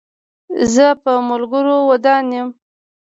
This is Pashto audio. زه په ملګرو ودان یم.